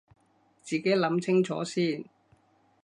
自己諗清楚先